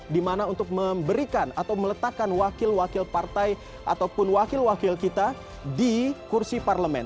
dimana untuk memberikan atau meletakkan wakil wakil partai ataupun wakil wakil kita di kursi parlemen